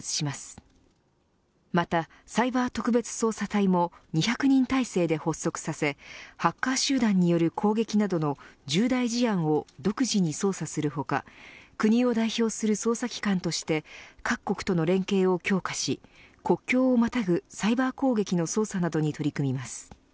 また、サイバー特別捜査隊も２００人体制で発足させハッカー集団による攻撃などの重大事案を独自に捜査する他国を代表する捜査機関として各国との連携を強化し国境をまたぐサイバー攻撃の捜査などに取り組みます。